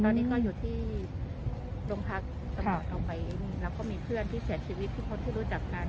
ตอนนี้ก็อยู่ที่โรงพักตำรวจเอาไปแล้วก็มีเพื่อนที่เสียชีวิตที่คนที่รู้จักกัน